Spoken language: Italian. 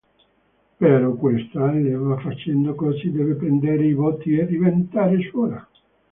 Però questa allieva facendo così deve prendere i voti e diventare suora.